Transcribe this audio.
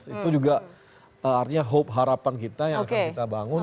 itu juga artinya harapan kita yang akan kita bangun